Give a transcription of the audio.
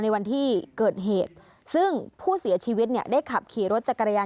วันที่เกิดเหตุซึ่งผู้เสียชีวิตเนี่ยได้ขับขี่รถจักรยาน